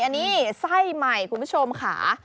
อันนี้ไส้ใหม่คุณผู้ชมค่ะ